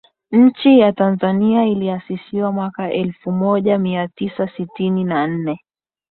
Nchi ya Tanzania iliasisiwa mwaka elfu moja mia tisa sitini na nne